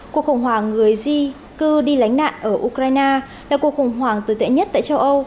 cuộc khủng hoảng người di cư đi lánh nạn ở ukraine là cuộc khủng hoảng tồi tệ nhất tại châu âu